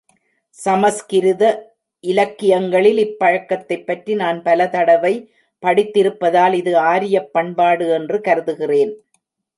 சமஸ்கிருத இலக்கியங்களில் இப் பழக்கத்தைப் பற்றி நான் பல தடவை படித்திருப்பதால் இது ஆரியப் பண்பாடு என்று கருதுகிறேன்.